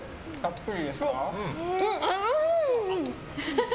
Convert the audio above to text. うん。